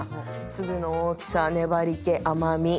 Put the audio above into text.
粒の大きさ粘り気甘味。